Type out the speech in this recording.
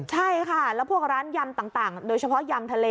ใช่ค่ะแล้วพวกร้านยำต่างโดยเฉพาะยำทะเล